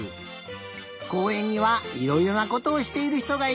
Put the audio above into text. こうえんにはいろいろなことをしているひとがいるんだね。